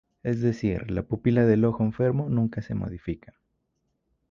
Es decir, la pupila del ojo enfermo nunca se modifica.